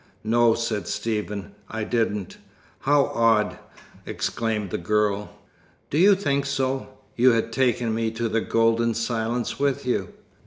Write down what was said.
"No," said Stephen, "I didn't." "How odd!" exclaimed the girl. "Do you think so? You had taken me to the golden silence with you."